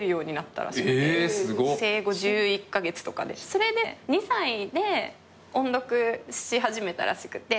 それで２歳で音読し始めたらしくて。